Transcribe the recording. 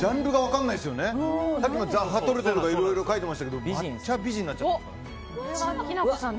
さっきのザッハトルテとかいろいろ書いてましたけど抹茶美人になっちゃったから。